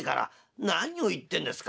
「何を言ってんですか。